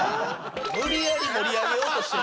無理やり盛り上げようとしてる。